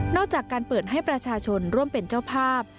จากการเปิดให้ประชาชนร่วมเป็นเจ้าภาพ